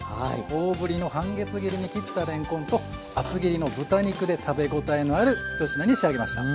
大ぶりの半月切りに切ったれんこんと厚切りの豚肉で食べ応えのある１品に仕上げました。